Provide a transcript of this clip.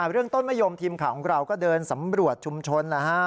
เรื่องต้นมะยมทีมข่าวของเราก็เดินสำรวจชุมชนนะฮะ